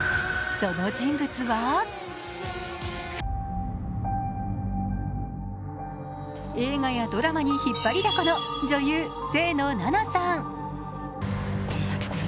その人物は、映画やドラマに引っ張りだこの女優・清野菜名さん。